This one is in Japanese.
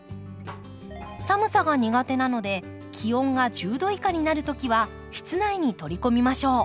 寒さが苦手なので気温が１０度以下になる時は室内に取り込みましょう。